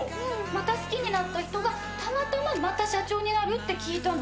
また好きになった人がたまたままた社長になるって聞いたの。